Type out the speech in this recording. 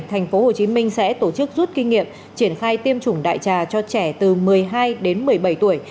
tp hcm sẽ tổ chức rút kinh nghiệm triển khai tiêm chủng đại trà cho trẻ từ một mươi hai đến một mươi bảy tuổi